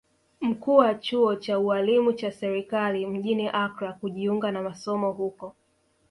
Mkuu wa chuo cha ualimu cha serikali mjini Accra kujiunga na masomo huko